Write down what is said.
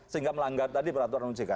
sehingga melanggar tadi peraturan ojk